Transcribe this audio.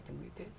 trong ngày tết